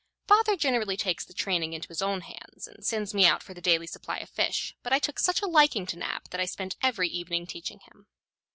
Father generally takes the training into his own hands and sends me out for the daily supply of fish; but I took such a liking to Nab that I spent every evening teaching him.